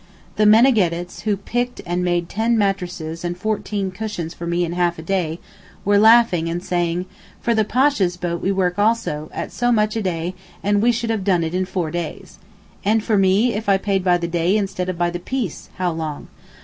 The meneggets who picked and made ten mattrasses and fourteen cushions for me in half a day, were laughing and saying, 'for the Pasha's boat we work also, at so much a day and we should have done it in four days.' 'And for me if I paid by the day instead of by the piece, how long?